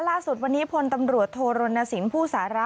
ล่าสุดวันนี้พลตำรวจโทรณสินผู้สาระ